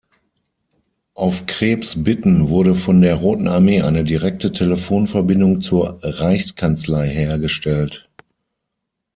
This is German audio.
Auf Krebs’ Bitten wurde von der Roten Armee eine direkte Telefonverbindung zur Reichskanzlei hergestellt.